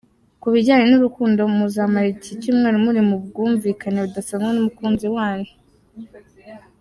Ku bijyanye n’urukundo, muzamara iki cyumweru muri mu bwumvikane budasanzwe n’umukunzi wanyu.